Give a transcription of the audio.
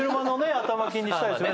頭金にしたいですよね